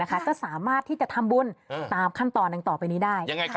ก็สามารถที่จะทำบุญตามขั้นตอนดังต่อไปนี้ได้